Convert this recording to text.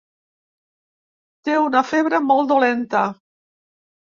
Té una febre molt dolenta.